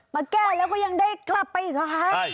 มาแก้แล้วก็ยังได้กลับไปอีกเหรอคะ